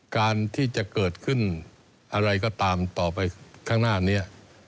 การที่จะเกิดขึ้นอะไรก็ตามต่อไปข้างหน้านี้